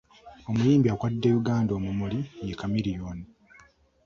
Omuyimbi akwatidde Uganda omumuli ye Chameleon.